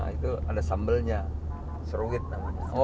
itu ada sambelnya serwit namanya